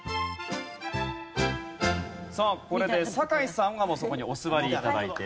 さあこれで酒井さんがもうそこにお座り頂いて。